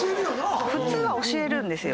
普通は教えるんですよ。